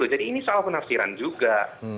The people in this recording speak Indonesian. jadi ini soal penasiran juga